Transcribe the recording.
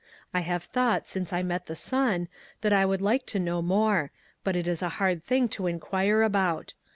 I have thought since I met the son that I would like to know more, but it is a hard thing to in quire about.